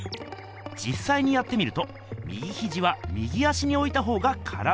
じっさいにやってみると右ひじは右足においたほうが体は楽。